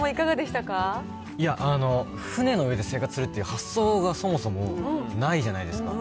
いや、船の上で生活するっていう発想がそもそもないじゃないですか。